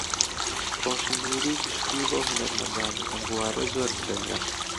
ڕۆشنبیریی گشتی بۆ هونەرمەندانی ئەم بوارە زۆر گرنگە